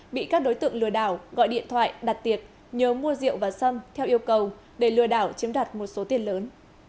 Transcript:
bị các đối tượng lừa đảo gọi điện thoại đặt tiệc nhớ mua rượu và xăm theo yêu cầu để lừa đảo chiếm đặt một số tiền lớn